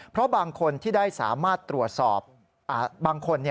เพราะบางคนที่ได้สามารถตรวจสอบบางคน